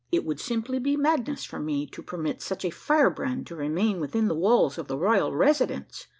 "It would simply he madness for me to permit such a firehrand to remain within the walls of the royal residence.